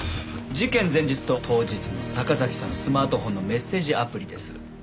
事件前日と当日の坂崎さんのスマートフォンのメッセージアプリです。